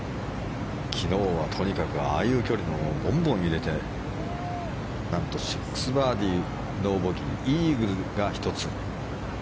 昨日はとにかくああいう距離のをボンボン入れて何と６バーディー、ノーボギーイーグルが１つ。